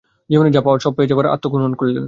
জীবনে যা পাওয়ার সব পেয়ে যাবার পর আত্মহনন কুরলেন।